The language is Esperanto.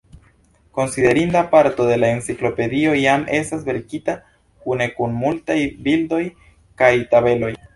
Konsiderinda parto de la enciklopedio jam estas verkita kune kun multaj bildoj kaj tabeloj.